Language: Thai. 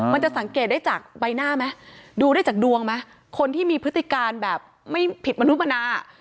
มันจะสังเกตได้จากใบหน้าไหมดูได้จากดวงไหมคนที่มีพฤติการแบบไม่ผิดมนุมนา